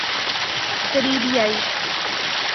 کریبیائی